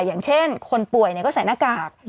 อย่างเช่นคนป่วยก็ใส่หน้ากาก